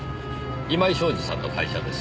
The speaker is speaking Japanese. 今井正二さんの会社です。